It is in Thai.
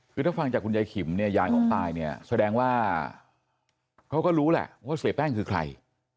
คือถ้าฟังจากคุณยายขิมเนี่ยยายของตายเนี่ยแสดงว่าเขาก็รู้แหละว่าเสียแป้งคือใคร